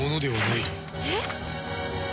えっ？